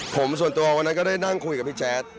ผมส่วนตัววันนั้นก็ได้นั่งคุยกับพี่แจ๊ด